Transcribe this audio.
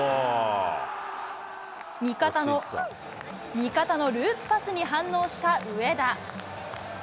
味方のループパスに反応した上田。